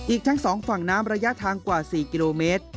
อีกทั้ง๒ฝั่งน้ำระยะทางกว่า๔กิโลเมตร